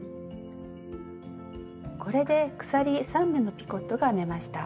これで鎖３目のピコットが編めました。